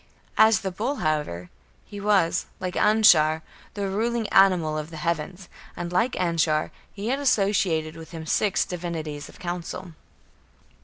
As the bull, however, he was, like Anshar, the ruling animal of the heavens; and like Anshar he had associated with him "six divinities of council".